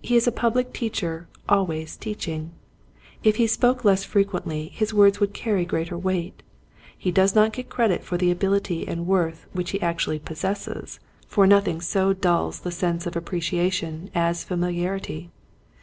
He is a public teacher always teaching. If he spoke less frequently his words would carry greater weight. He does not get credit for the ability and worth which he actually possesses, for nothing The Foremost of the Demons. 45 so dulls the sense of appreciation as familiarity.